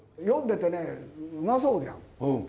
読んでてねうまそうじゃん。